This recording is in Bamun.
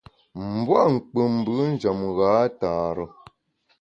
Mbua’ nkpù mbù njem gha tare.